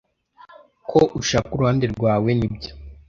ko ushaka uruhande rwawe nibyo